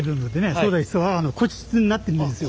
操舵室は個室になってるんですよ